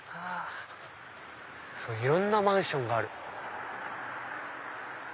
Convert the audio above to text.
いろんなマンションがある。